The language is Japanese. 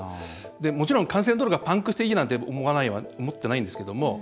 もちろん幹線道路がパンクしていいなんて思ってないんですけれども